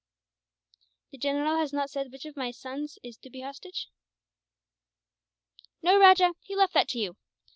"The general has not said which of my sons is to be hostage?" "No, Rajah, he left that to you.